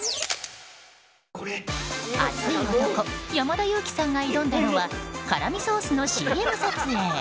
熱い男・山田裕貴さんが挑んだのは辛味ソースのＣＭ撮影。